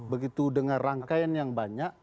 begitu dengan rangkaian yang banyak